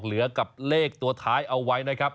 เหลือกับเลขตัวท้ายเอาไว้นะครับ